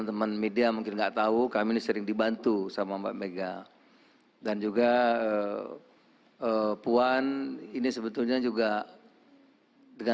nah banyak yang kami sudah berkata